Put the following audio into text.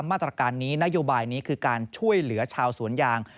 มาตรการนี้นโยบายนี้คือการช่วยเหลือชาวสวนยาง